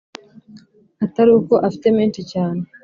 ataruko afite menshi.cyane